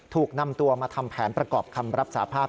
ถูกนำตัวมาทำแผนประกอบคำรับสาภาพ